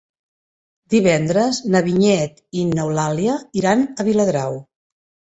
Divendres na Vinyet i n'Eulàlia iran a Viladrau.